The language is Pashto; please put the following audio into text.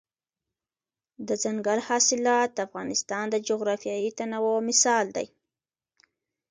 دځنګل حاصلات د افغانستان د جغرافیوي تنوع مثال دی.